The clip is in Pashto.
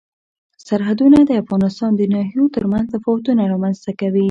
سرحدونه د افغانستان د ناحیو ترمنځ تفاوتونه رامنځ ته کوي.